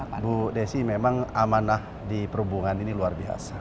ibu desi memang amanah di perhubungan ini luar biasa